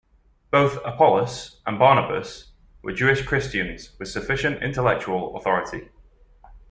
Both Apollos and Barnabas were Jewish Christians with sufficient intellectual authority.